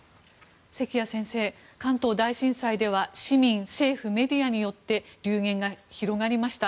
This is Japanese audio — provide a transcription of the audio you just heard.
関谷先生、関東大震災では市民、政府、メディアによって流言が広がりました。